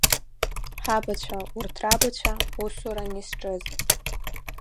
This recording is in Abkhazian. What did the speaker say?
Ҳабацәа, урҭ рабацәа усуран изҿыз.